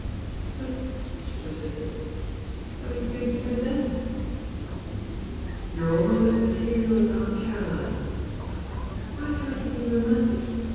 thenr^'" ""^^ persisted, "what are you going to do ••You are almost as material as Aunt Caroline," he smiled. 'Why camiot you be romantic?